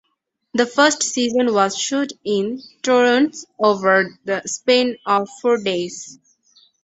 The first season was shot in Toronto over the span of four days.